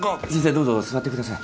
どうぞ座ってください。